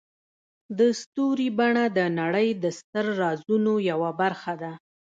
د ستوري بڼه د نړۍ د ستر رازونو یوه برخه ده.